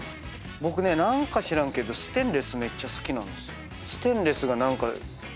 僕ね何か知らんけどステンレスめっちゃ好きなんですよ。